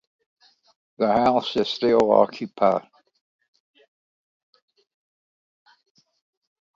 The house is still occupied.